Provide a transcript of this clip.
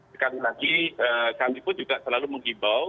sekali lagi kami pun juga selalu menghimbau